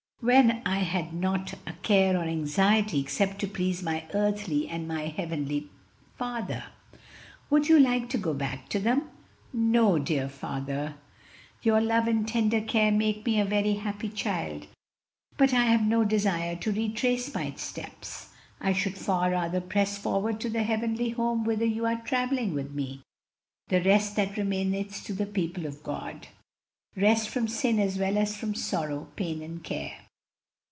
when I had not a care or anxiety except to please my earthly and my heavenly father." "Would you like to go back to them?" "No, dear father, your love and tender care made me a very happy child, but I have no desire to retrace my steps. I should far rather press forward to the heavenly home whither you are travelling with me 'the rest that remaineth to the people of God,' rest from sin as well as from sorrow, pain, and care."